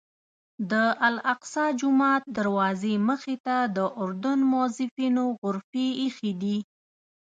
د الاقصی جومات دروازې مخې ته د اردن موظفینو غرفې ایښي دي.